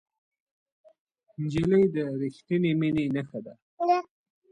نجلۍ د رښتینې مینې نښه ده.